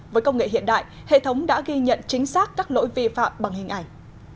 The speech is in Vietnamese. với công nghệ hiện đại hệ thống đã ghi nhận chính xác các lỗi vi phạm bằng hình ảnh